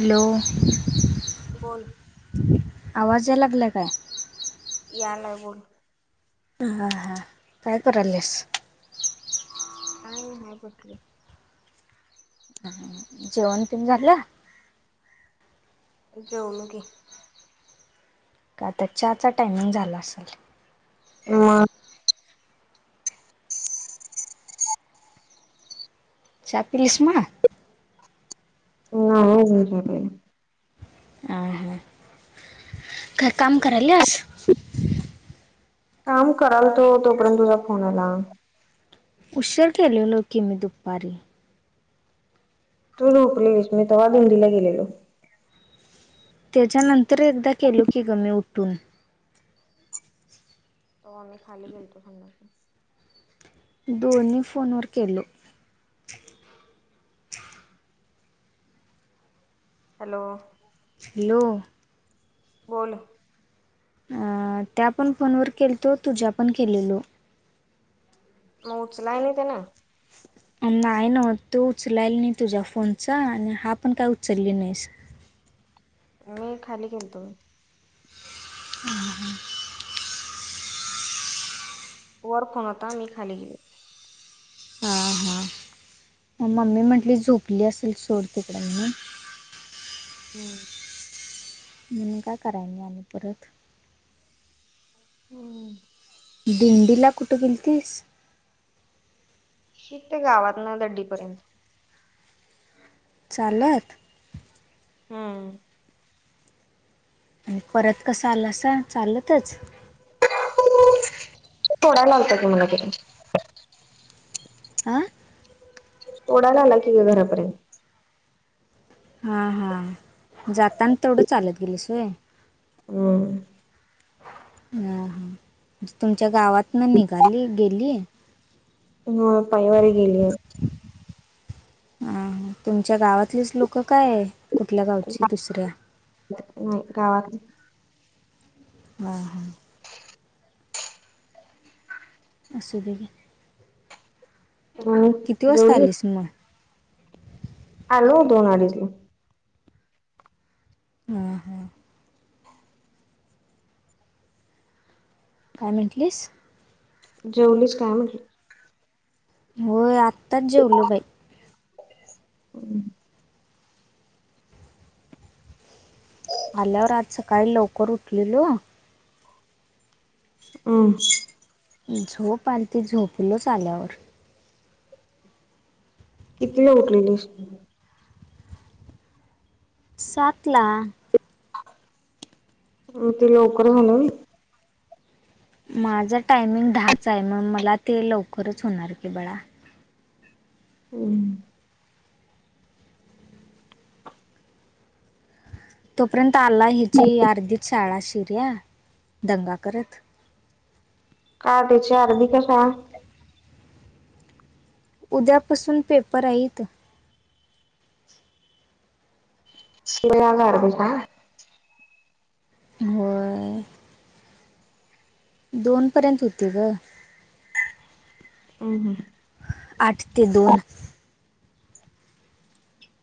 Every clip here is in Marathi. हॅलो बोल आवाज याय लागला काय याला बोल हा हां काय करा लस आ मा बसली जेवण तीम झालं जेऊनु घे आता चहाचा टायमिंग झाला असाल उवा चहापिलीसमा उनायानीजिभि ह हां घरकाम करायलेस काम कराल तो तोपर्यंत तुझा फोनआला उशर केलेलो की मी दुपारी तू जुकलेलीस मी तेव्हा भंडीला गेलेलो त्याच्यानंतर एकदा केलो की ग मी उठून तवाआम्ही खाली गेलतो संथडा दोन्ही फोन वर केले हॅलो हॅलो बोल अ त्या पण फोनवर केल तो तुझ्या पण केलेलो मग उचलाय नाही त्या ना नाय नावतो उचलायला नाही तुझ्या फोनचा आणि हा पण काय उचलली नाही स मी खाली गेलतो हम हा वर फोन होता मी खाली गेल आ हा मम्मी म्हटली झोपली असेल सोड तिकड म होम काय कराय नाही आणि परत हम्म दिंडीला कुठे गेलतीस कितीगावाना दडडीपर्यंत चालत हा परत कस आलासा चालतच तोंडाय लावतात मला तरी आं तोडायला आला कि घरापर्यंत हा हा जाताना तेवढं चालत गेलंसय हम्म ह ह तुमच्या गावात ना निघाली गेली पायवारीे गेली अ तुमच्या गावातलीच लोक काय आहे कुठल्या गावची दुसऱ्या नाही गावातलीच हा हा असुदे घे आणि किती वाजता जेवली आलीस मग आलो दोन अडीचला ह हां काय म्हटलीस जेवलीच काय म्हटलं होय आताच जेवलो बाई ह आल्यावर आज सकाळी लवकर उठलेलो अ झोप आलती झोपलोच आल्यावर कितीवेळा उठलेलीस सातला म ते लवकर झालं होय माझं टायमिंग दहाचा आहे मग मला ते लवकरच होणार की बाळा होम तोपर्यंत आला ह्याची अर्दीचं शाळा शिऱ्या दंगा करत का त्याची आर्धी का शाळा? उद्यापासून पेपर हाईत [inaudible] होय दोन पर्यंत होती ग हम हम आठ ते दोन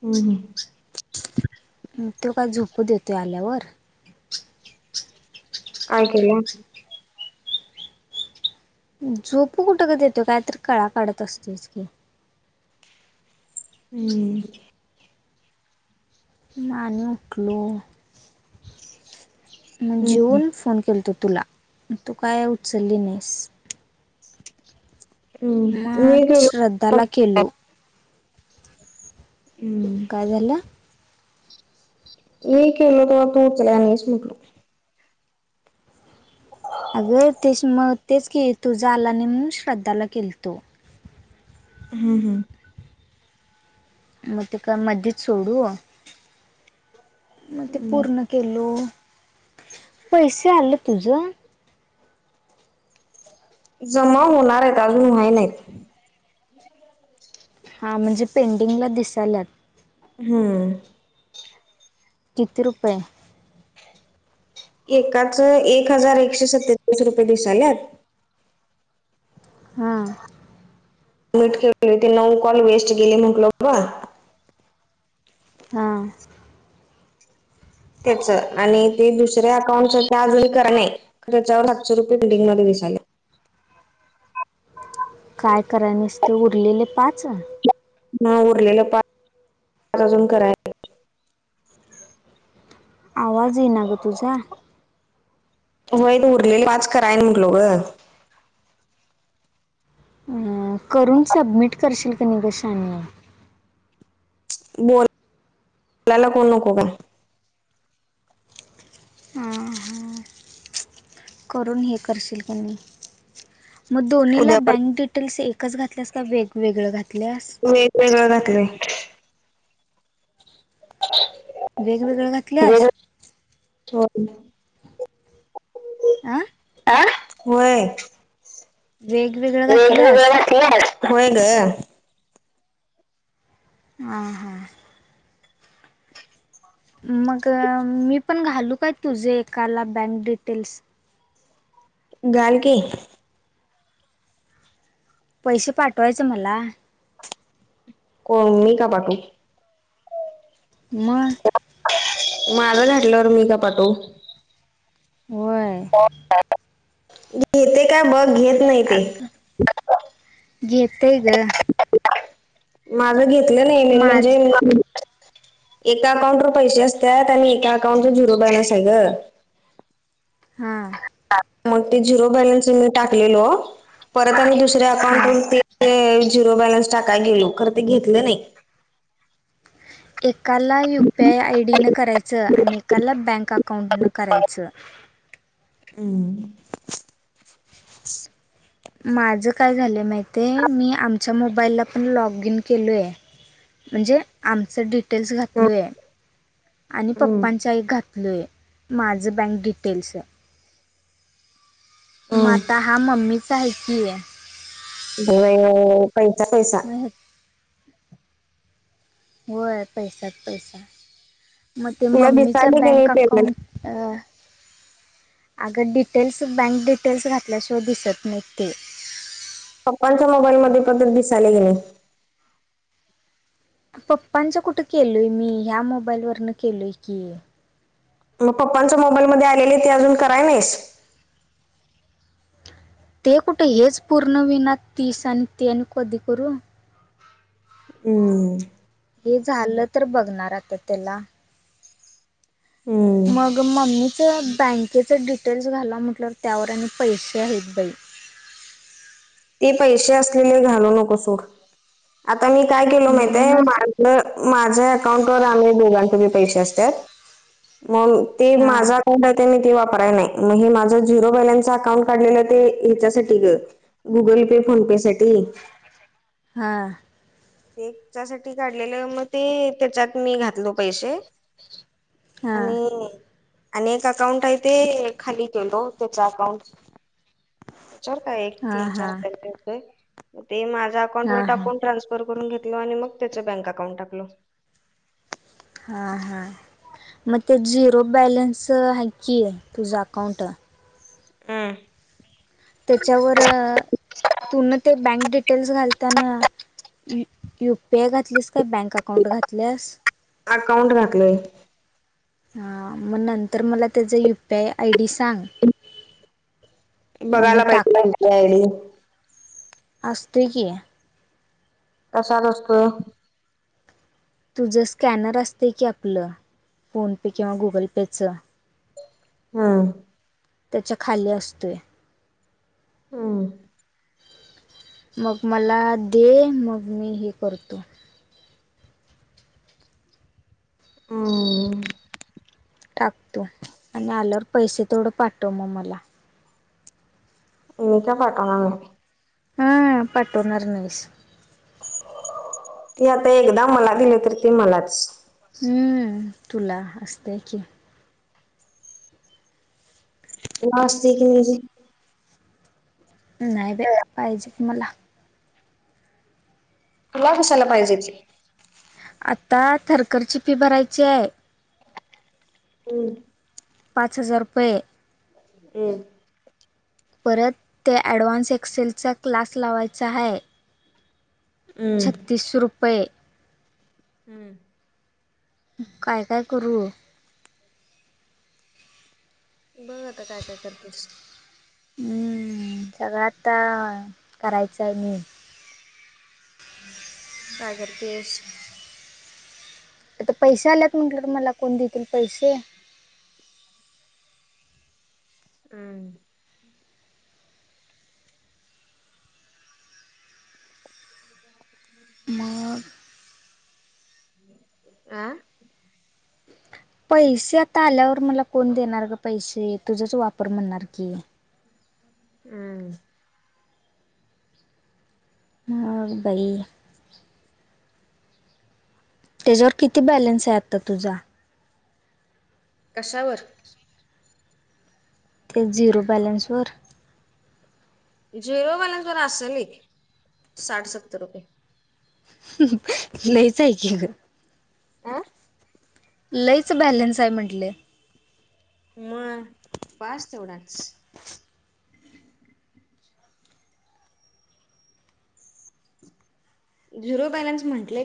हम् हम तो काय झोपू देतोय आल्यावर काय केल्यानं झोपू कुठं गं का देतोय काय तर कळा काढत असतोयच की हम्म मान उठलो. मग हम्म जेऊन फोन केल तो तुला तू काय उचलली नाहीस. हम् मी गेलो श्रद्धा ला केेलो. हम्म काय झालं? मी केलो तवा तू उचलयाला नाहीस म्हटलो. अगं तेच मग तेच की तुजा आला नाही म्हणून श्रद्धाला केलतो हम्म हम्म. मग ते का मध्येच सोडू मग ते हम्म पूर्ण केलो. पैसे आलं तुझं जमा होणार आहेत अजून व्हाय नाहीत. हा म्हणजे पेंडिंगला दिसायलात हम्म. किती रुपये एकाच एक हजार एकशे सत्तेचाळीस रुपये दिसाल्यात हा. वेट केली होती नऊ कॉल वेस्ट गेले म्हटलो बाबा. हां. त्याच आणि ते दुसऱ्या अकाउंटचं अजून कराय नाही. खर त्याच्यावर सातशे रुपये बिलिंगमध्येे दिसाले. काय कराय नुसते उरलेले पाच नाय उरलेलं पाच अजून कराय आवाज येई ना ग तुझा होय उरलेली पाच करायन म्हटलो ग अं, करून सबमिट करशील का नाही कसें [unintelligible] बोलायला कोण नको का हा हा. करून हे करशील काय. मग दोन्ही ला उद्या परत बँक डिटेल्स एक कच घातल्यास का वेगवेगळं घातल्यास? वेगवेगळं घातलंय [inaudible] वेगवेगळ्या होय घातल्यास [inaudible] अह अह व्हय वेगवेगळ घातल्यास खरं होय ग हा हा. मग मी पण घालू काय तुझे एकाला बँक डिटेल्स घाल की पैसे पाठवायचें मला कोण मी का पाठवू? मग माझं घातल्यावर मी का पाठवू व्हय. [unintelligible] घेते का बघ घेत घेत नाही ते अगं घेते ग माझं घेतलं नाही मी म्हणजे माझं एका अकाउंटवर पैसे असतात आणि एका अकाउंटवर झुरो बॅलन्स आहे ग हां. मग ते झिरो बॅलन्स मी टाकलेलो परत आम्ही दुसऱ्या हां अकाउंटहून ते ते झिरो बॅलन्स टाकाय गेलो खर ते घेतलं नाही एकाला U P I I D नं करायचं आणि एकाला बँक अकाउंटनं करायचं हम्म. माझं काय झालं माहित आहे मी आमच्या मोबाईलला पण लॉग इन केलोय म्हणजे आमचं डिटेल्स घातलो आहे आणि हम्म पप्पांच्या एक घातलय माझं बँक डिटेल्स म हम्म आता हा मम्मीच आहे की हो पैचा पैसा [unintelligible] होय पैशात पैसा मग ते तुला मम्मीच्या दिसाले की नाही बँक पेमेंट अकाउंट अ आगं डिटेल्स बँक डिटेल्स घातल्या शिवाय दिसत नाहीत ते. पप्पांच्या मोबाईल मध्ये पण ते दिसायला गेले. पप्पांचं कुठं केलोय मी ह्या मोबाईल वरन केलोय की मग पप्पांचा मोबाईलमध्ये आलेले ते अजून कराय नाहीस ते कुठे हेच पूर्ण होईना तीस आणि ते आणि कधी करू हम्म. हे झालं तर बघणार आता त्याला. हम्म मग मम्मीच बँकेच डिटेल्स घाला म्हटल्यावर त्यांवर आणि पैशे आहेत बाई. ते पैशे असलेले घालू नकोस तू, आता मी काय केलो माहितय मा म्हणूनच म अ माझ्या अकाउंटवर आमच्या दोघांचे बी पैसे असत्यात मगं ती हां माझा [unintelligible] ते मी ते वापराय नाही मगं हे माझ झिरो बॅलन्स अकाउंट काढलेलं ते येच्यासाठी ग. गुगल पे फोन पे साठी? हां हेच्यासाठी काढलेलं मग ते त्याच्यात मी घात घातलो पैशे हां आणि आणि एक अकाउंट आहे ते खाली केलो त्याच्या अकाउंटच्यावर काय. एक हां तीन चार हां हजार रुपये होतय ते माझ्या अकाउंट वर हां हां टाकून ट्रान्स फर करून घेतलो आणि मग त्याच बँक अकाउंट टाकलो. हां हां म ते झिरो बॅलन्सच हाय की तुझं अकाउंट. हम्म. त्याच्यावर अ तू न ते बँक डिटे टेल्स घालताना यु यु पी आय घातलीस काय बँक अकाऊंट घातल्यास? अकाउंट घातलय. हां मग नंतर मला त्याचं यू पी आय डी सांग. मी बघायला पाहि टाक [unintelligible] यू पी आय डी. आसतोय की. कशात असतोय? तुझं स्कॅनर असतेय की आपलं फोन पे किंवा गुगल पे चं. हम्म. त्याच्या खाली असतोया. हम्म. मग मला दे मग मी हे करतो. हम्म. टाकतो आण आल्यावर पैसे तेवड पाठव मगं मला. मी का पाठवणार? हम्म पटवणार नाहीसं. ती आता एकदा मला दिले तर ते मलाच. हम्म तुला असतेय की. तुला असतेय की म्हंजे? नाही बाई पाहिजेत मला. तुला कशाला पाहिजेे की? आता थरकरची फी भरायची हाय. हम्म. पाच हजार रुपये. हम्म. परत ते ॲडव्हान्स एक्सेलचा क्लास लावायचा हाय. हम्म छत्तीसशे रुपये. हम्म. काय काय करू? बघ आता काय काय करतेस? मम, सगळं आता करायचं आहे मी काय करतेस? आता पैशे आल्यात म्हटलं तर मला कोण देतील पैशे? हम्म. [inaudible] मग अं? पैसे आता आल्यावर मला कोण देणार ग पैसे तुझाच वापर म्हणणार की हम्म. मम बाई त्याच्यावर किती बॅलन्स आहे आता तुझा? कशावर? झिरो बॅलेन्सवर? झिरो बॅलन्स वर असेल साठ सत्तर रुपये लईच आहे की ग अं? लईच बॅलेन्स आहे म्हनटले मग बास तेवढाच झिरो बॅलेनस म्हटलेय